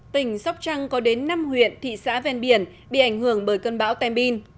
tỉnh sóc trăng có đến năm huyện thị xã vèn biển bị ảnh hưởng bởi cơn bão tembin